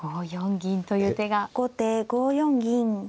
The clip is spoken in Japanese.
後手５四銀。